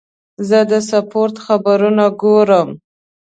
زه د سپورت خبرونه ګورم.